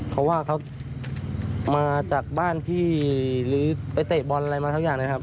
เขาว่าเขามาจากบ้านพี่หรือไปเตะบอลอะไรมาสักอย่างนะครับ